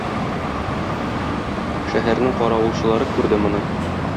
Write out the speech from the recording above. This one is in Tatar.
Шәһәрнең каравылчылары күрде моны.